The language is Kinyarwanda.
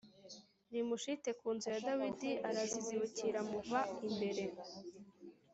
rimushite ku nzu Dawidi ararizibukira amuva imbere